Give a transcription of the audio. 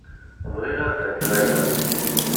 Bɣiɣ ad fakeɣ aya.